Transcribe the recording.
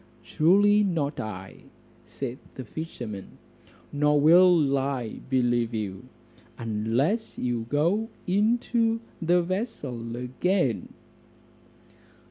"Truly not I," said the fisherman; "nor will I believe you, unless you go into the vessel again."